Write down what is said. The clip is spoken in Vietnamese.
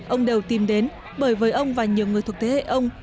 ông đều tìm đến bởi với ông và nhiều người thuộc thế hệ ông